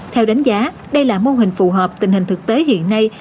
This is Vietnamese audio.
theo đánh giá đây là mô hình phù hợp tình hình thực tế hiện nay